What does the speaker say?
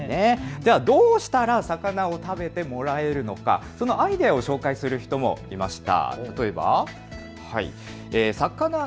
ではどうしたら魚を食べてもらえるのか、そのアイデアを紹介する人もいました。